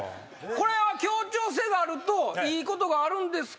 これは協調性があるといいことがあるんですか？